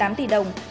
đầu tư xây dựng